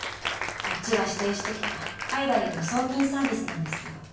あっちが指定してきた海外への送金サービスなんですけど。